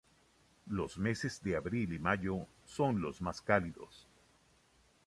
Los meses de abril y mayo son los más cálidos.